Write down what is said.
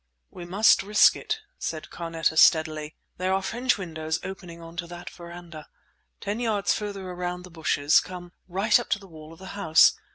"We must risk it!" said Carneta steadily. "There are French windows opening on to that verandah. Ten yards farther around the bushes come right up to the wall of the house.